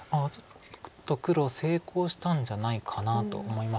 ちょっと黒成功したんじゃないかなと思います。